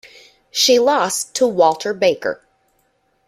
She lost to Walter Baker.